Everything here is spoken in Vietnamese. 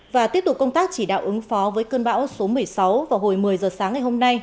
và tiếp tục công tác chỉ đạo ứng phó với cơn bão số một mươi sáu vào hồi một mươi giờ sáng ngày hôm nay